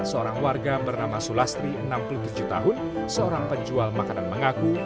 seorang warga bernama sulastri enam puluh tujuh tahun seorang penjual makanan mengaku